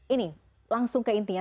ini langsung ke intinya